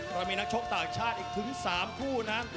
เรามีนักชกต่างชาติอีกถึง๓คู่นะ